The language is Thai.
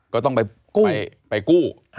ก็ต้องไปกู้